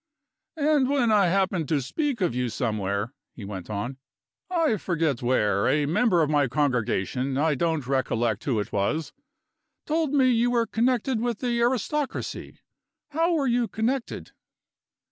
"And when I happened to speak of you somewhere," he went on, "I forget where a member of my congregation I don't recollect who it was told me you were connected with the aristocracy. How were you connected?"